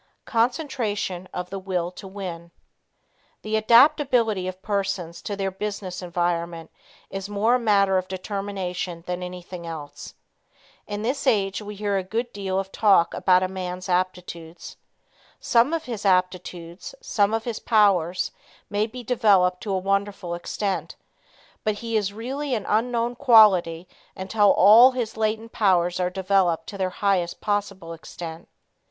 Concentration of the Will to Win. The adaptability of persons to their business environment is more a matter of determination than anything else. In this age we hear a good deal of talk about a man's aptitudes. Some of his aptitudes, some of his powers, may be developed to a wonderful extent, but he is really an unknown quality until all his latent powers are developed to their highest possible extent.